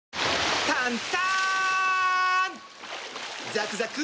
ザクザク！